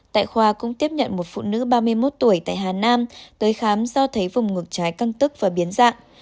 tại khoa cũng tiếp nhận một phụ nữ ba mươi một tuổi tại hà nam tới khám do thấy vùng ngược trái căng tức và biến dạng